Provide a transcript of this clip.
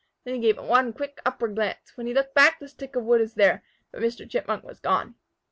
Then he gave one quick upward glance. When he looked back, the stick of wood was there, but Mr. Chipmunk was gone.